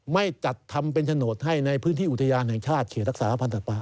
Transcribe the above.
ไม่จัดทำเป็นโฉนดให้ในพื้นที่อุทยานแห่งชาติเขตรักษาพันธ์สัตว์ป่า